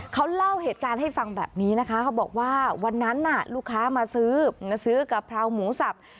เขาเล่าเหตุการณ์ให้ฟังแบบนี้นะคะเขาบอกว่าวันนั้นน่ะลูกค้ามาซื้อมาซื้อกะเพราหมูสับ